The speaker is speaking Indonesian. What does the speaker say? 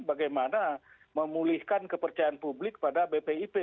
bagaimana memulihkan kepercayaan publik pada bpip